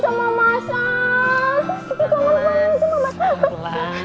kekik kangen banget sama masang